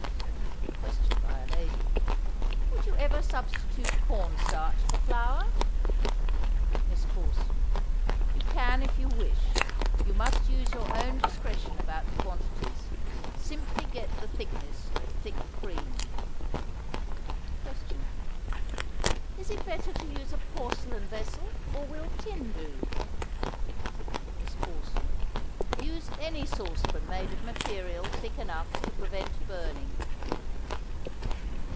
Question by a Lady. Would you ever substitute cornstarch for flour? MISS CORSON. You can if you wish. You must use your own discretion about the quantities. Simply get the thickness of thick cream. Question. Is it better to use a porcelain vessel, or will tin do? MISS CORSON. Use any saucepan made of material thick enough to prevent burning.